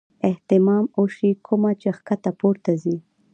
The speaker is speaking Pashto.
اهتمام اوشي کومه چې ښکته پورته ځي -